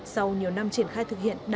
sau nhiều năm triển khai thực hiện